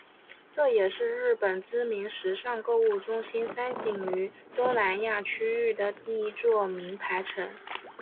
这也是日本知名时尚购物中心三井于东南亚区域的第一座名牌城。